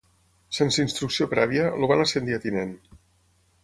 Sense instrucció prèvia, el van ascendir a tinent.